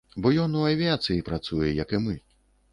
Бо ён ў авіяцыі працуе, як і мы.